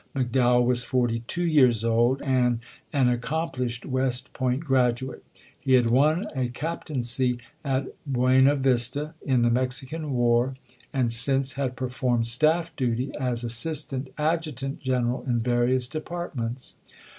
McDowell was forty two years old and an accomplished West Point grad uate. He had won a captaincy at Buena Yista in the Mexican war, and since had performed staff duty as assistant adjutant general in various de partments.